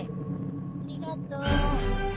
ありがとう。